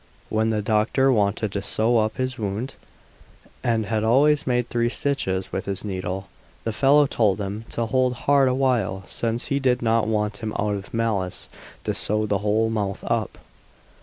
When the doctor wanted to sew up his wound, and had already made three stitches with his needle, the fellow told him to hold hard a while, since he did not want him out of malice to sew his whole mouth up.